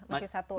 masih satu ini ya